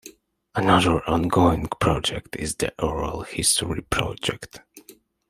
Another ongoing project is the Oral History Project.